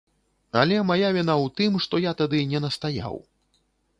Але мая віна ў тым, што я тады не настаяў.